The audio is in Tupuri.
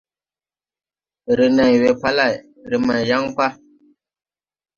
Ree này we pa lay, re mãy yan pa.